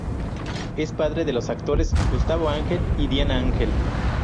Es padre de los actores Gustavo Ángel y Diana Ángel